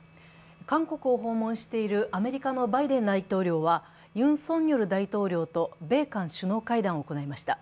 韓国を訪問しているアメリカのバイデン大統領はユン・ソンニョル大統領と米韓首脳会談を行いました。